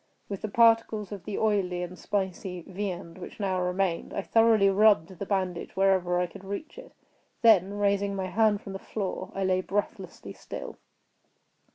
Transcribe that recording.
With the particles of the oily and spicy viand which now remained, I thoroughly rubbed the bandage wherever I could reach it; then, raising my hand from the floor, I lay breathlessly still.